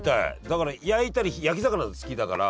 だから焼いたり焼き魚なら好きだから。